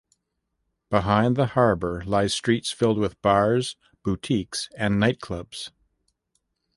Behind the harbour lie streets filled with bars, boutiques and nightclubs.